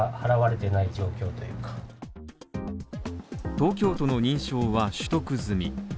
東京都の認証は取得済み。